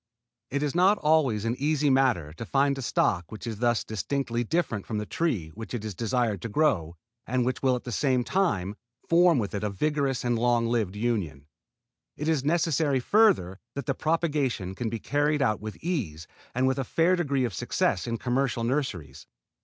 It is not always an easy matter to find a stock which is thus distinctly different from the tree which it is desired to grow and which will at the same time form with it a vigorous and long lived union. It is necessary further that the propagation can be carried on with ease and with a fair degree of success in commercial nurseries.